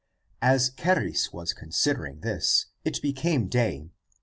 As Charis was considering this, it became day.